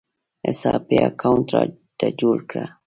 حساب پې اکاونټ راته جوړ کړه